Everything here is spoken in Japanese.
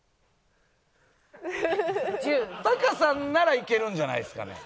タカさんならいけるんじゃないですかね。